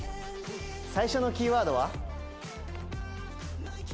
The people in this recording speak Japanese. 最初のキーワードは。